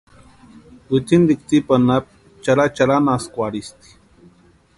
Wintsintikwa tsipa anapu charhacharhanhaskwarhisti.